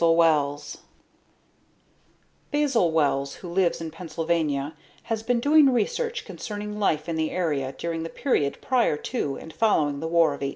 net _Basil Wells, who lives in Pennsylvania, has been doing research concerning life in the area during the period prior to and following the War of 1812.